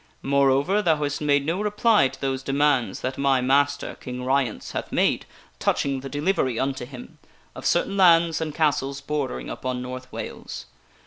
Moreover, thou hast made no reply to those demands that my master, King Ryence, hath made touching the delivery unto him of certain lands and castles bordering upon North Wales.